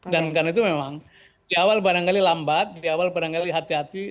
dan karena itu memang di awal barangkali lambat di awal barangkali hati hati